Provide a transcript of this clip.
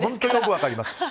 よく分かります。